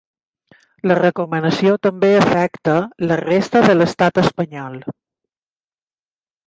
La recomanació també afecta la resta de l’estat espanyol.